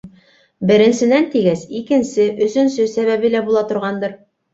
Беренсенән тигәс, икенсе-өсөнсө сәбәбе лә була торғандыр?